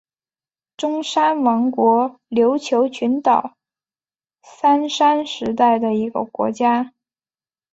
中山王国琉球群岛三山时代的一个国家。